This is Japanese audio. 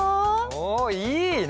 おおいいね！